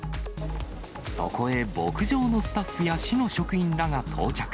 そこへ牧場のスタッフや市の職員らが到着。